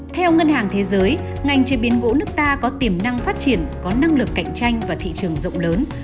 theo ngân hàng thế giới ngành chế biến gỗ nước ta có tiềm năng phát triển có năng lực cạnh tranh và thị trường rộng lớn